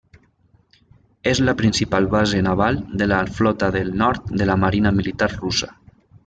És la principal base naval de la Flota del Nord de la marina militar russa.